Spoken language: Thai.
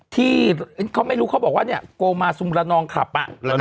ที่เขาไม่รู้เขาบอกว่าเนี่ยโกมาซุมระนองขับ